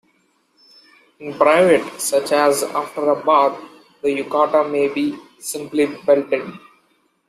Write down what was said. In private, such as after a bath, the yukata may be simply belted.